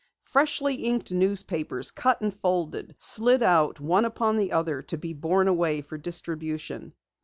Freshly inked newspapers, cut and folded, slid out one upon the other to be borne away for distribution.